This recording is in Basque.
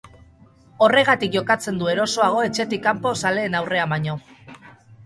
Horregatik jokatzen du erosoago etxetik kanpo zaleen aurrean baino.